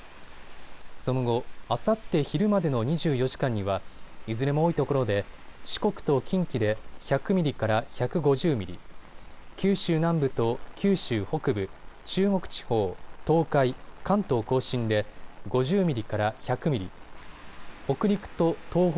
その後、あさって昼までの２４時間にはいずれも多いところで四国と近畿で１００ミリから１５０ミリ、九州南部と九州北部、中国地方、東海、関東甲信で５０ミリから１００ミリ、北陸と東北、